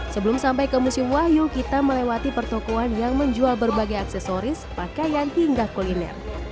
sebelum sampai ke musim wahyu kita melewati pertokohan yang menjual berbagai aksesoris pakaian hingga kuliner